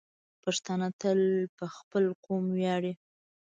پښتانه تل په خپل قوم ویاړي.